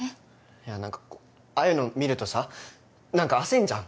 いや何かこうああいうの見るとさ何か焦んじゃん